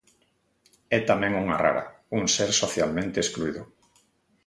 É tamén unha rara, un ser socialmente excluído.